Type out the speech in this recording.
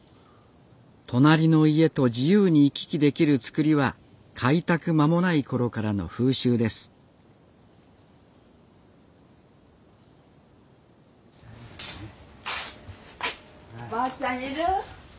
隣の家と自由に行き来できる造りは開拓間もないころからの風習ですばあちゃんいる？